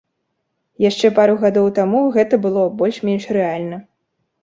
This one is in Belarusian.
Яшчэ пару гадоў таму гэта было больш-менш рэальна.